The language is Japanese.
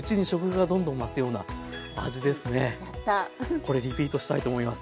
これリピートしたいと思います。